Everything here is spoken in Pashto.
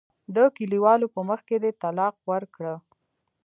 د کلیوالو په مخ کې دې طلاق ورکړه.